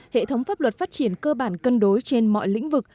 hệ thống pháp luật phát triển cơ bản cân đối trên mọi lĩnh vực